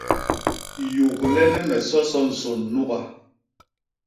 Yuglene me soso nsôn nuga.